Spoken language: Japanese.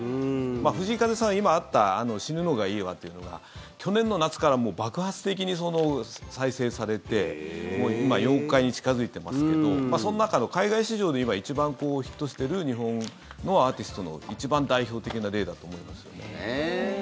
藤井風さんは今あった「死ぬのがいいわ」というのが去年の夏から爆発的に再生されて今、４億回に近付いていますけどそんな中、海外市場で今一番ヒットしている日本のアーティストの一番代表的な例だと思います。